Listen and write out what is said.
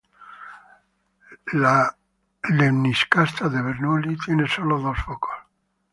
La lemniscata de Bernoulli tiene solo dos focos.